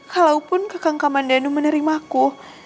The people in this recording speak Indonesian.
kalaupun kakang kamandano menerimaku